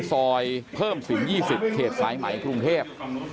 ซอยเพิ่มสิน๒๐เขตสายไหมกรุงเทพ